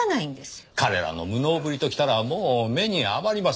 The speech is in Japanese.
彼らの無能ぶりときたらもう目に余ります。